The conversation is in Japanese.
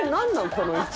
この位置。